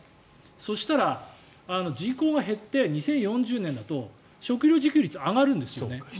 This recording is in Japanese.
そうしたら人口が減って、２０４０年だと食料自給率、上がるんですよね。